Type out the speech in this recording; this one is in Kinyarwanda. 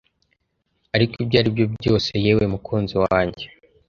ariko ibyo aribyo byose yewe mukunzi wanjye